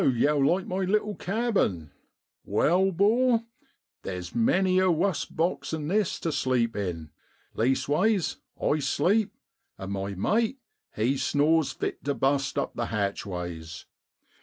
So yow like my little cabin ; wal, 'bor, there's many a wus box 'an this to sleep in, leastways, I sleep, and my mate he snores fit to bust up the hatchways.